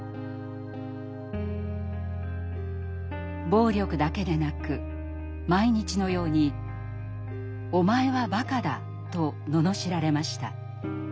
暴力だけでなく毎日のように「お前はバカだ」と罵られました。